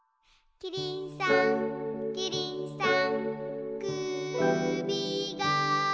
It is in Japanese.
「キリンさんキリンさん」